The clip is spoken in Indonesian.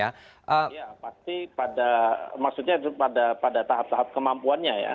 ya pasti pada maksudnya pada tahap tahap kemampuannya ya